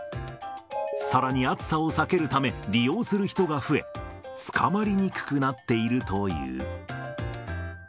さらに、暑さを避けるため利用する人が増え、つかまりにくくなっているという。